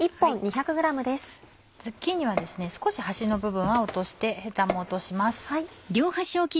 ズッキーニは少し端の部分を落としてヘタも落とします。